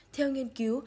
theo nghiên cứu